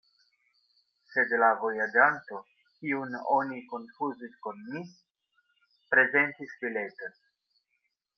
Sed la vojaĝanto, kiun oni konfuzis kun mi, prezentis bileton.